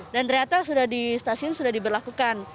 dan ternyata sudah di stasiun sudah diberlakukan